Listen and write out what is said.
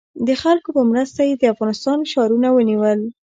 د خلکو په مرسته یې د افغانستان ښارونه ونیول.